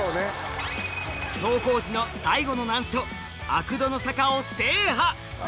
登校時の最後の難所悪戸の坂を制覇！